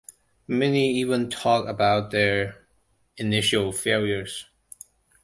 Many even talk about their initial failures.